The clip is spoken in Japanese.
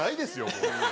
もう。